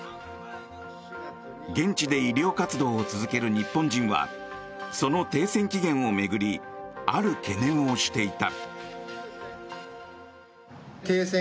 現地で医療活動を続ける日本人はその停戦期限を巡りある懸念をしていた。